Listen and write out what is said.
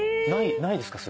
ないですか？